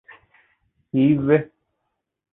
ކީއްވެ؟